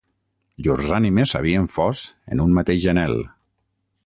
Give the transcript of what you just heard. Llurs ànimes s'havien fos en un mateix anhel.